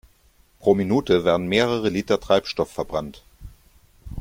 Pro Minute werden mehrere Liter Treibstoff verbrannt.